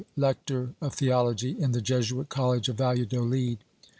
lector, of theology in the Jesuit college of Valladolid.